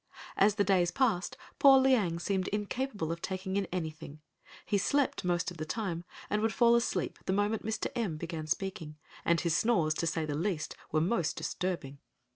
As the days passed poor Liang seemed incapable of taking in anything. He slept most of the time, would fall asleep the moment Mr. M—— began speaking, and his snores, to say the least, were most disturbing.